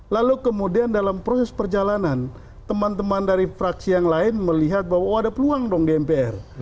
lalu kemudian dalam proses perjalanan teman teman dari fraksi yang lain melihat bahwa oh ada peluang dong di mpr